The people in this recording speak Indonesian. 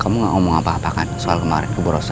kamu gak ngomong apa apa kan soal kemarin kubu roso